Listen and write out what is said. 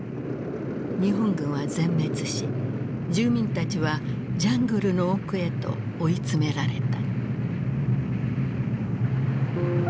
日本軍は全滅し住民たちはジャングルの奥へと追い詰められた。